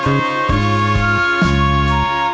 สวัสดีครับ